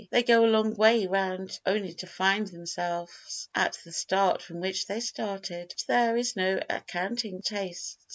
They go a long way round only to find themselves at the point from which they started, but there is no accounting for tastes.